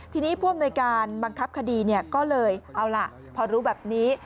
ทีนี้ผู้อำนวยการบังคับคดีก็เลยเอาล่ะพอรู้แบบนี้